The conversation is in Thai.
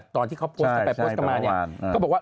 ตอนที่เขาโพสต์กันมาก็บอกว่า